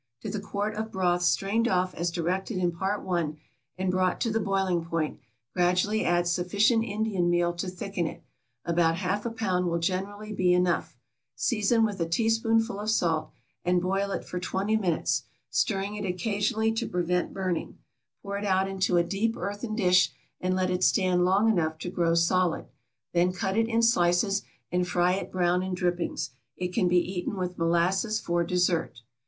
To the quart of broth strained off as directed in Part I, and brought to the boiling point, gradually add sufficient Indian meal to thicken it, about half a pound will generally be enough; season with a teaspoonful of salt, and boil it for twenty minutes, stirring it occasionally to prevent burning; pour it out into a deep earthen dish, and let it stand long enough to grow solid; then cut it in slices, and fry it brown in drippings; it can be eaten with molasses for dessert.